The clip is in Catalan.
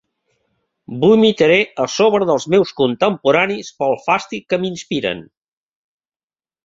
Vomitaré a sobre dels meus contemporanis pel fàstic que m'inspiren...